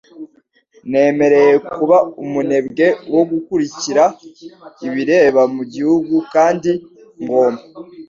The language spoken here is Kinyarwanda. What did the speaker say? Nemereye kuba umunebwe wo gukurikira ibibera mu gihugu kandi ngomba